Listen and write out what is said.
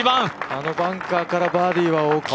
あのバンカーからバーディーは大きい。